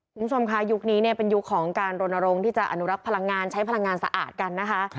คุณผู้ชมค่ะยุคนี้เนี่ยเป็นยุคของการรณรงค์ที่จะอนุรักษ์พลังงานใช้พลังงานสะอาดกันนะคะ